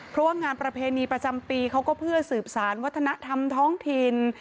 เพราะว่างานประเพณีประจำปีเขาก็เพื่อสืบสารวัฒนธรรมท้องถิ่น